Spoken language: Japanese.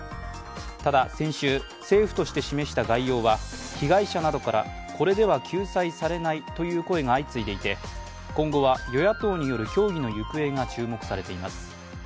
ただ、先週、政府として示した概要は被害者などからこれでは救済されないという声が相次いでいて今後は与野党による協議の行方が注目されています。